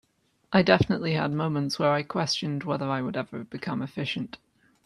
I definitely had moments where I questioned whether I would ever become efficient.